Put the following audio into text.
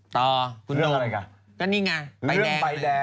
ต่อคุณโดมเรื่องอะไรกะ